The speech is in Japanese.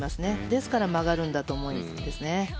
ですから曲がるんだと思いますね。